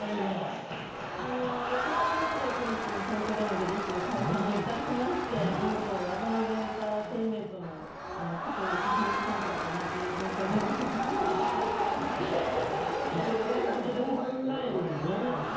６月２９日に東京ドームでＢｉＳＨ、解散いたしまして何とワタナベエンターテインメントの加藤一二三さんとかと同じ文化人枠に入れさせていただきまして。